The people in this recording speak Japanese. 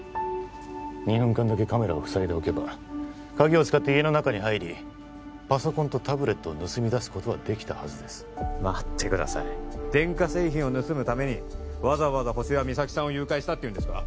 ２分間だけカメラをふさいでおけば鍵を使って家の中に入りパソコンとタブレットを盗みだすことはできたはずです待ってください電化製品を盗むためにわざわざホシが実咲さんを誘拐したっていうんですか？